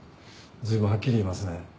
ずいぶんはっきり言いますね。